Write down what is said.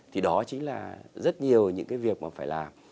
thì đó chính là rất nhiều những cái việc mà phải làm